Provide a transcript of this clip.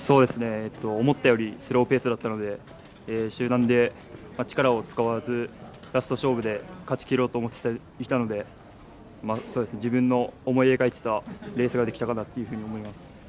思ったよりスローペースだったので、集団で力を使わずラスト勝負で勝ちきろうと思っていたので、自分の思い描いてたレースができたかなというふうに思います。